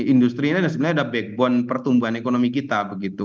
industri ini sebenarnya ada backbone pertumbuhan ekonomi kita begitu